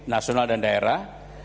nasional dan daerah